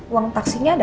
uang taksinya ada